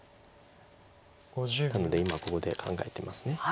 なので今ここで考えてます。